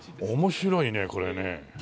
面白いねこれね。